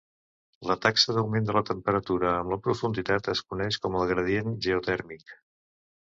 La taxa d'augment de la temperatura amb la profunditat es coneix com el gradient geotèrmic.